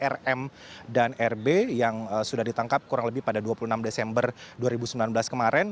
rm dan rb yang sudah ditangkap kurang lebih pada dua puluh enam desember dua ribu sembilan belas kemarin